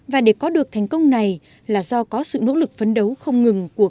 và để có được thành công này là do có sự nỗ lực phấn đấu không ngừng của